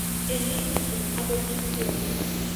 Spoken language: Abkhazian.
Иленинтәым апозициала.